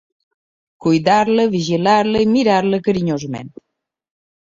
Cuidar-la, vigilar-la i mirar-la carinyosament